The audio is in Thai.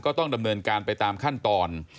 ต้องดำเนินการไปตามขั้นตอน